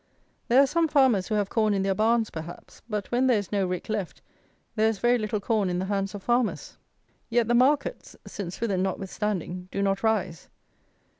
There are some farmers who have corn in their barns, perhaps; but when there is no rick left, there is very little corn in the hands of farmers. Yet the markets, St. Swithin notwithstanding, do not rise.